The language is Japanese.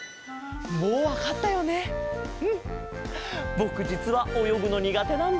ぼくじつはおよぐのにがてなんだ。